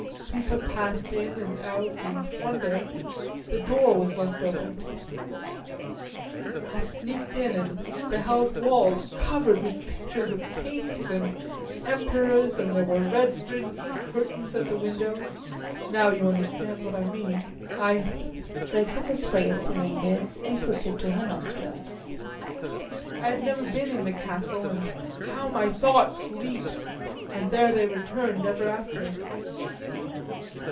People passed in and out and one day the door was left open. I sneaked in and beheld walls covered with pictures of kings and emperors and there were red fringed curtains at the windows now you understand what I mean I [Breaks off a spray of syringes and puts it to her nostrils.] I had never been in the castle and how my thoughts leaped and there they returned ever after.